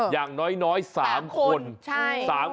อย่างน้อย๓คน